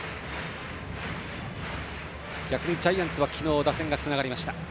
逆にジャイアンツは昨日、打線がつながりました。